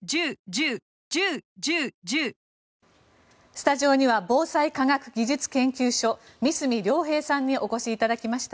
スタジオには防災科学技術研究所三隅良平さんにお越しいただきました。